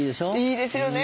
いいですよね。